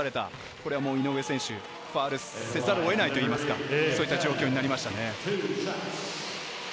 これは井上選手、ファウルせざるをえないといいますか、そういった状況になりましたね。